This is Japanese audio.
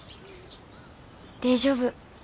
大丈夫。